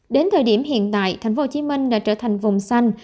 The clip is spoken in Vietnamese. đến thời điểm hiện tại tp hcm đã trở thành vùng dịch bệnh